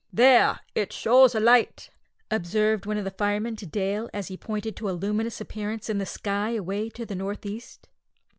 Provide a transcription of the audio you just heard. "There, it shows a light," observed one of the firemen to Dale, as he pointed to a luminous appearance in the sky away to the north east.